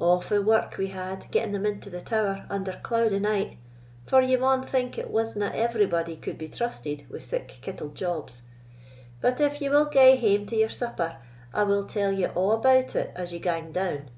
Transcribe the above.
Awfu' work we had getting them into the tower under cloud o' night, for ye maun think it wasna everybody could be trusted wi' sic kittle jobs. But if ye will gae hame to your supper, I will tell you a' about it as ye gang down."